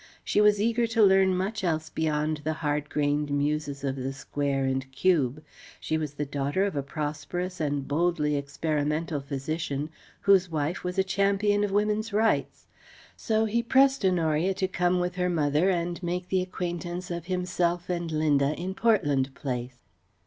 She was eager to learn much else beyond the hard grained muses of the square and cube; she was the daughter of a prosperous and boldly experimental physician, whose wife was a champion of women's rights. So he pressed Honoria to come with her mother and make the acquaintance of himself and Linda in Portland Place.